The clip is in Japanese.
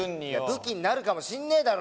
武器になるかもしんねえだろ。